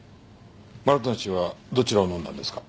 マルタン氏はどちらを飲んだんですか？